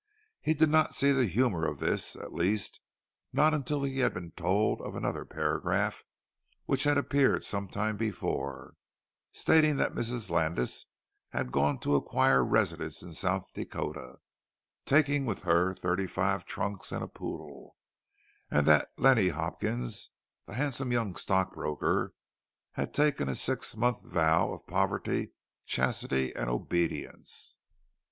He did not see the humour of this, at least not until they had told him of another paragraph which had appeared some time before: stating that Mrs. Landis had gone to acquire residence in South Dakota, taking with her thirty five trunks and a poodle; and that "Leanie" Hopkins, the handsome young stock broker, had taken a six months' vow of poverty, chastity, and obedience.